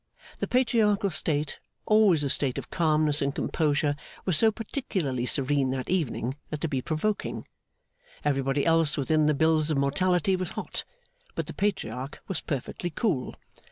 The Patriarchal state, always a state of calmness and composure, was so particularly serene that evening as to be provoking. Everybody else within the bills of mortality was hot; but the Patriarch was perfectly cool.